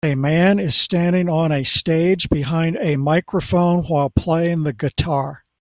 A man is standing on a stage behind a microphone while playing the guitar